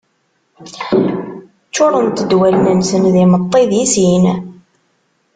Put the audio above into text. Ččurent-d wallen-nsen d imeṭṭi di sin.